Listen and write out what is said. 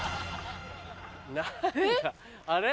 何だあれ？